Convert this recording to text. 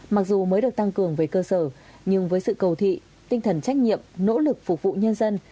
mặc dù mới được tăng cường về cơ sở nhưng với sự cầu thị tinh thần trách nhiệm nỗ lực phục vụ nhân dân